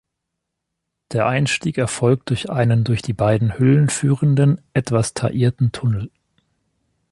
Der Einstieg erfolgt durch einen durch die beiden Hüllen führenden, etwas taillierten Tunnel.